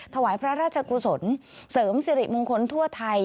ถวายพระราชกุศลเสริมสิริมงคลทั่วไทย